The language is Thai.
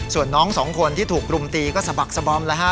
ส่วนน้องสองคนที่ถูกรุมตีก็สะบักสบอมแล้วฮะ